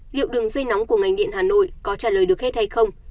liệu đường dây nóng của ngành điện hà nội có trả lời được hết hay không